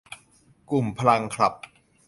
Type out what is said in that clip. กลุ่มพลังคลับ